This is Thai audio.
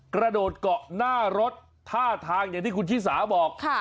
กระโดดเกาะหน้ารถท่าทางอย่างที่คุณชิสาบอก